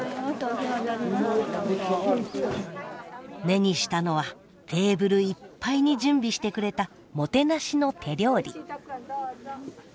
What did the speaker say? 目にしたのはテーブルいっぱいに準備してくれたもてなしの手料理。